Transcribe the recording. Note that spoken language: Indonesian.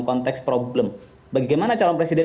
konteks problem bagaimana calon presiden